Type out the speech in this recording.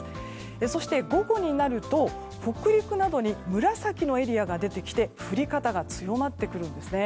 そして、午後になると北陸などに紫のエリアが出てきて降り方が強まってきます。